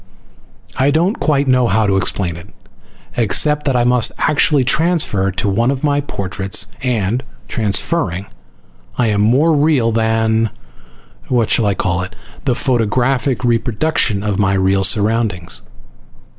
I don't quite know how to explain it, except that I must actually transfer to one of my portraits, and, transferring, I am more real than what shall I call it? the photographic reproduction of my real surroundings.